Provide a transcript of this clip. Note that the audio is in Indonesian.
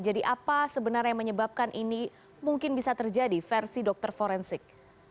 jadi apa sebenarnya yang menyebabkan ini mungkin bisa terjadi versi dokter forensik